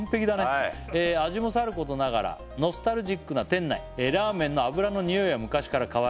はいはいはい「味もさることながらノスタルジックな店内」「ラーメンの油の匂いは昔から変わらず」